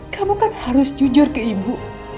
kamu kan harus jujur ke ibu